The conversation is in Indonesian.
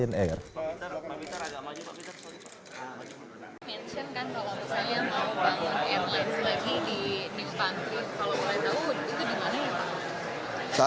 lion air berpengalaman mengitai penerbangan penerbangan air dan thailand